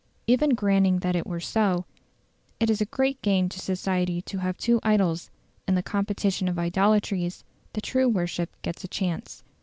Even granting that it were so, it is a great gain to society to have two idols: in the competition of idolatries the true worship gets a chance.